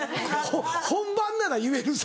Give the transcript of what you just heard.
本番なら言えるぞ。